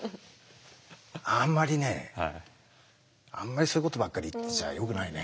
あんまりねあんまりそういうことばっかり言ってちゃよくないね。